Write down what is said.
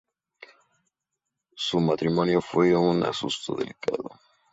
Su matrimonio fue un asunto delicado.